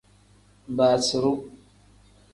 Basiru.